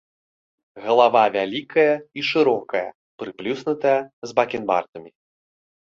Галава вялікая і шырокая, прыплюснутая, з бакенбардамі.